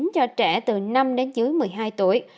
cho trẻ từ năm đến dưới một mươi hai tuổi